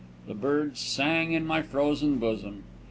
The birds sang in my frozen bosom.